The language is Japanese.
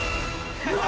うわ！